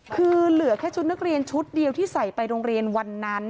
คือเหลือแค่ชุดนักเรียนชุดเดียวที่ใส่ไปโรงเรียนวันนั้น